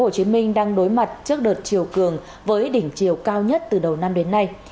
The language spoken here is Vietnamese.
hồ chí minh đang đối mặt trước đợt chiều cường với đỉnh chiều cao nhất từ đầu năm đến nay